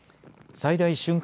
最大瞬間